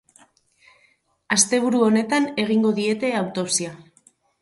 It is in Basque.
Asteburu honetan egingo diete autopsia.